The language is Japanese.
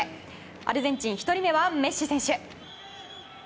アルゼンチン、１人目はメッシ選手。